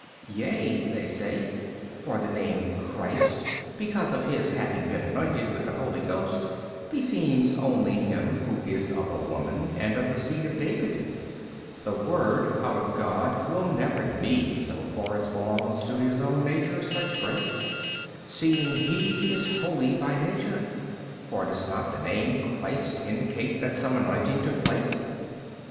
B. Yea (they say): for the name Christ because of his having been anointed with the Holy Ghost beseems only him who is of a woman and of the seed of David: the Word out of God will never need so far as belongs to His own Nature such grace, seeing He is holy by Nature. For does not the Name Christ indicate that some anointing took place?